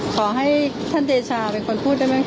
ขอให้ท่านเดชาเป็นคนพูดได้ไหมค